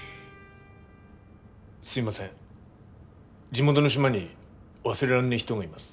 すいません地元の島に忘れらんねえ人がいます。